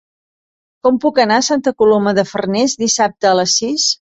Com puc anar a Santa Coloma de Farners dissabte a les sis?